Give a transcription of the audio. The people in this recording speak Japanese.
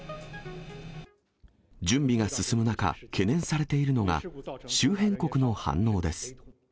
準備が進む中、懸念されているのが、周辺国の反応です。